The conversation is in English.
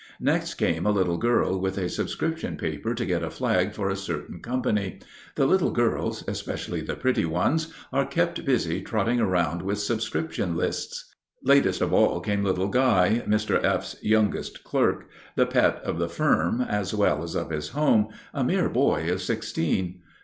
Next came a little girl with a subscription paper to get a flag for a certain company. The little girls, especially the pretty ones, are kept busy trotting around with subscription lists. Latest of all came little Guy, Mr. F.'s youngest clerk, the pet of the firm as well as of his home, a mere boy of sixteen.